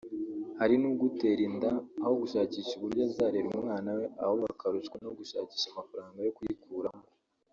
Hari n’ugutera inda aho gushakisha uburyo azarera umwana we ahubwo akarushywa no gushakisha amafaranga yo kuyikuramo